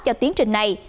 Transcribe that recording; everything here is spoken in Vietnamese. cho tiến trình này